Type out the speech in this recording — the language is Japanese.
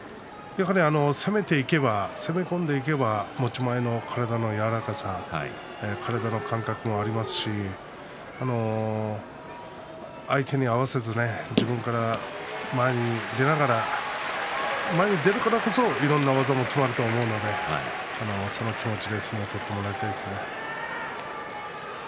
やはり攻め込んでいけば持ち前の体の柔らかさ、体の感覚もありますし相手に合わせず自分から前に出ながら前に出るからこそいろいろな技もきまると思うのでその気持ちで相撲を取ってもらいたいですね。